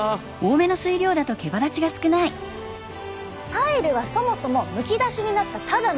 パイルはそもそもむき出しになったただの糸。